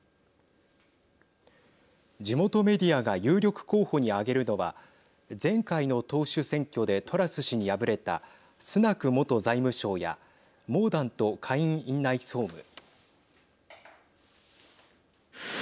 地元メディアが有力候補に挙げるのは前回の党首選挙でトラス氏に敗れたスナク元財務相やモーダント下院院内総務。